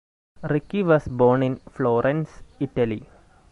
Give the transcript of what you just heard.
Ricci was born in Florence, Italy.